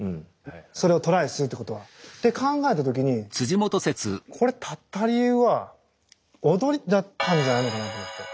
それをトライするってことはって考えた時にこれ立った理由は踊りだったんじゃないのかなと思って。